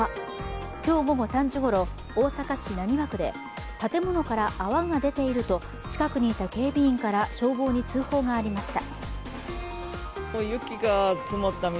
今日午後３時ごろ、大阪市浪速区で建物から泡が出ていると近くにいた警備員から消防に通報がありました。